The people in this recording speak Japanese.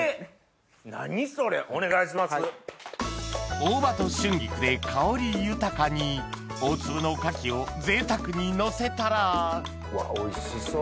大葉と春菊で香り豊かに大粒の牡蠣をぜいたくにのせたらうわおいしそう！